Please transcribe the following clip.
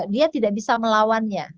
dia tidak bisa melawannya